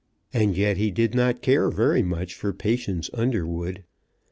And yet he did not care very much for Patience Underwood.